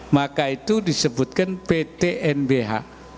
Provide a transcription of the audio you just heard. maka itu disebutkan ptnbh